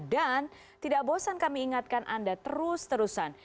dan tidak bosan kami ingatkan anda terus terusan